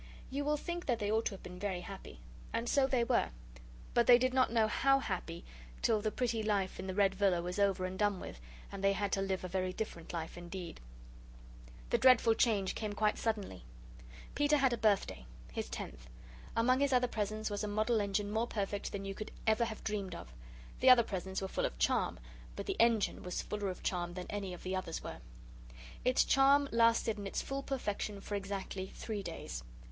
You will think that they ought to have been very happy. And so they were, but they did not know HOW happy till the pretty life in the Red Villa was over and done with, and they had to live a very different life indeed. The dreadful change came quite suddenly. Peter had a birthday his tenth. Among his other presents was a model engine more perfect than you could ever have dreamed of. The other presents were full of charm, but the Engine was fuller of charm than any of the others were. Its charm lasted in its full perfection for exactly three days.